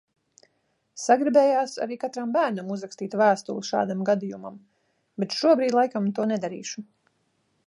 Sagribējās arī katram bērnam uzrakstīt vēstuli šādam gadījumam, bet šobrīd laikam to nedarīšu.